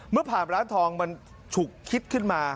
เมื่อผ่านร้านทองมันฉุกคิดขึ้นมา